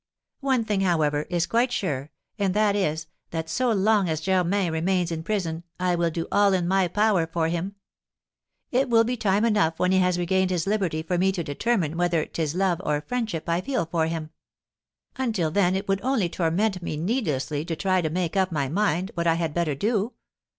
One thing, however, is quite sure, and that is, that so long as Germain remains in prison I will do all in my power for him. It will be time enough when he has regained his liberty for me to determine whether 'tis love or friendship I feel for him. Until then it would only torment me needlessly to try to make up my mind what I had better do.